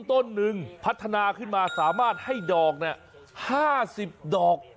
ต้นหนึ่งพัฒนาขึ้นมาสามารถให้ดอก๕๐ดอก